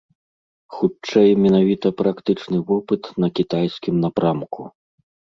Хутчэй, менавіта практычны вопыт на кітайскім напрамку.